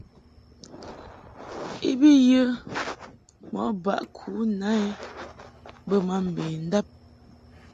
I bi yə mɔʼ baʼ ku na I bə ma mbendab.